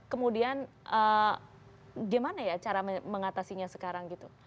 kemudian gimana ya cara mengatasinya sekarang gitu